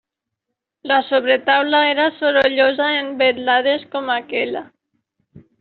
La sobretaula era sorollosa en vetlades com aquella.